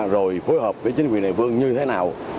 rồi phối hợp với chính quyền đại vương như thế nào